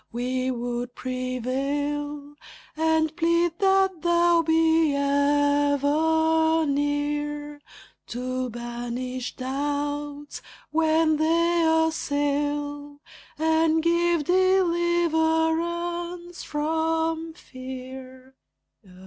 We would prevail, And plead that thou be ever near To banish doubts when they assail, And give deliverance from fear.